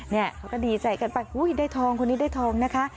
เขาก็ดีใจกันไปอุ้ยได้ทองคนนี้ได้ทองนะคะ